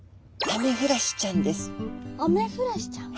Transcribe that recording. アメフラシちゃん？